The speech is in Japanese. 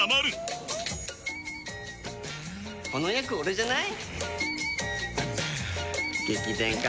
この役オレじゃない？